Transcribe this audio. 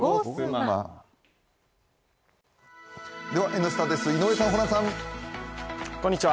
「Ｎスタ」です、井上さん、ホランさん。